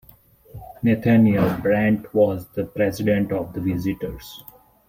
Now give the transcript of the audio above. Nathaniel Brent was the president of the visitors.